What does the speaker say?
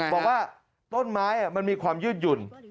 บอกว่าต้นไม้มันมีความยืดหยุ่น